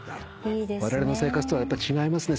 われわれの生活とはやっぱり違いますね